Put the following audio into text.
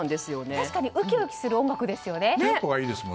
確かにウキウキする音楽ですよね。